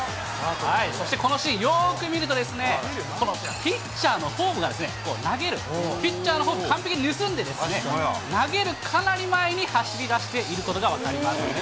そしてこのシーン、よーく見ると、このピッチャーのフォームが投げるピッチャーのフォーム、完璧に盗んでるんですかね、投げるかなり前に走りだしていることが分かります。